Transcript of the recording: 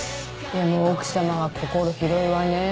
でも奥様は心広いわね。